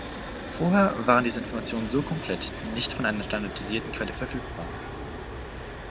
Vorher waren diese Informationen so komplett nicht von einer standardisierten Quelle verfügbar.